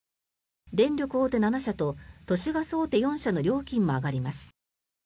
電力大手７社と都市ガス大手４社の料金も上がります。